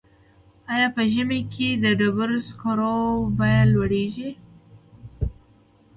آیا په ژمي کې د ډبرو سکرو بیه لوړیږي؟